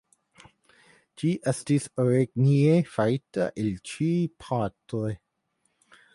Ĝi estis origine farita el tri partoj.